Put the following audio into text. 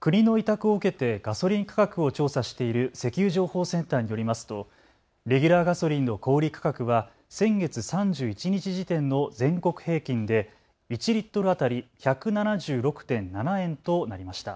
国の委託を受けてガソリン価格を調査している石油情報センターによりますとレギュラーガソリンの小売価格は先月３１日時点の全国平均で１リットル当たり１７６．７円となりました。